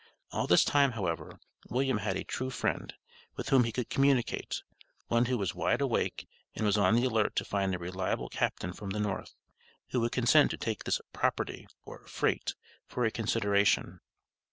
All this time, however, William had a true friend, with whom he could communicate; one who was wide awake, and was on the alert to find a reliable captain from the North, who would consent to take this "property," or "freight," for a consideration.